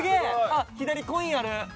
あっ左コインある！